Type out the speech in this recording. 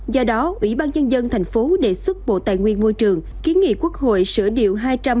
do đó ủy ban nhân dân tp hcm đề xuất bộ tài nguyên môi trường kiến nghị quốc hội sửa điệu hai trăm hai mươi bảy